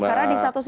karena di satu sisi